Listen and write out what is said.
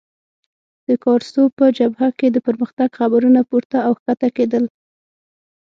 د کارسو په جبهه کې د پرمختګ خبرونه پورته او کښته کېدل.